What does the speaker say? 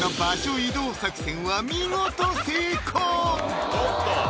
移動作戦は見事成功！